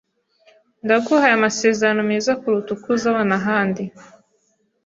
Ndaguhaye amasezerano meza kuruta uko uzabona ahandi.